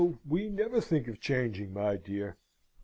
We never think of changing, my dear.